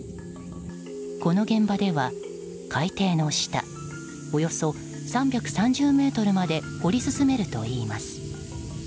この現場では海底の下およそ３３０ｍまで掘り進めるといいます。